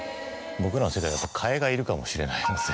僕らの世界やっぱ替えがいるかもしれないので。